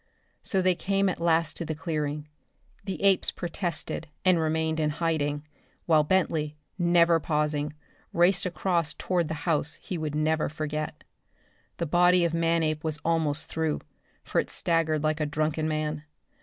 So they came at last to the clearing. The apes protested and remained in hiding, while Bentley, never pausing, raced across toward the house he would never forget. The body of Manape was almost through, for it staggered like a drunken man.